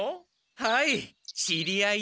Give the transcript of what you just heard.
はい知り合いです。